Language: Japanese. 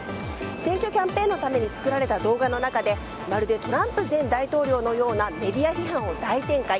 選挙キャンペーンのために作られた動画の中でまるでトランプ前大統領のようなメディア批判を大展開。